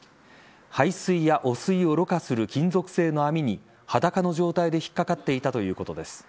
排水や汚水をろ過する金属製の網に裸の状態で引っかかっていたということです。